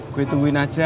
gue tungguin aja